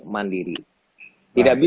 mandiri tidak bisa